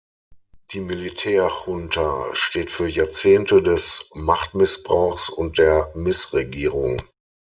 Die Militärjunta steht für Jahrzehnte des Machtmissbrauchs und der Missregierung.